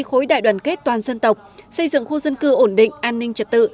khối đại đoàn kết toàn dân tộc xây dựng khu dân cư ổn định an ninh trật tự